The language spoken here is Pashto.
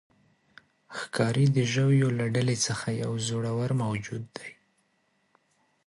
ښکاري د ژویو له ډلې څخه یو زړور موجود دی.